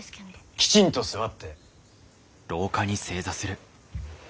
きちんと座って。